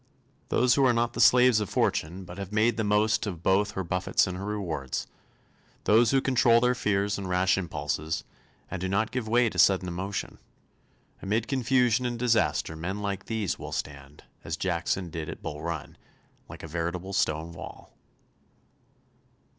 Those who are not the slaves of fortune, but have made the most of both her buffets and her rewards. Those who control their fears and rash impulses, and do not give way to sudden emotion. Amid confusion and disaster men like these will stand, as Jackson did at Bull Run, like a veritable stone wall.